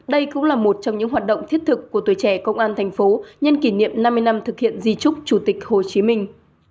đây cũng là một trong những hoạt động thiết thực của tuổi trẻ công an thành phố nhân kỷ niệm năm mươi năm thực hiện di trúc chủ tịch hồ chí minh